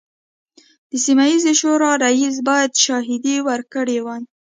د سیمه ییزې شورا رییس باید شاهدې ورکړي وای.